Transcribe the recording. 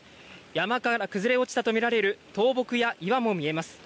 山から崩れ落ちたとみられる倒木や岩も見えます。